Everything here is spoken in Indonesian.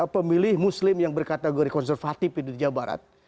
pemilih muslim yang berkategori konservatif indonesia barat